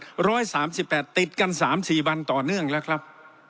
๑๓๘ติดกัน๓๔วันต่อเนื่องแล้วครับ